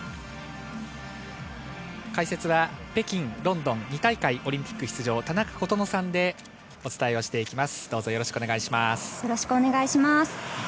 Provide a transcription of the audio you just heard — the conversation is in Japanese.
解説は北京、ロンドン２大会オリンピック出場、田中琴乃さんでおよろしくお願いします。